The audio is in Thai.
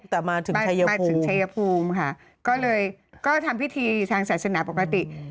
ต่อมาถึงชายถึงชายภูมิค่ะก็เลยก็ทำพิธีทางศาสนาปกติ